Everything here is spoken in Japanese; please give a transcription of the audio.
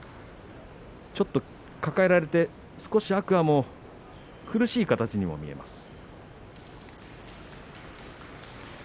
抱えられて少し天空海も苦しい形にも見えます。